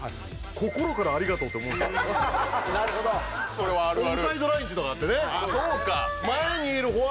これは、あるある。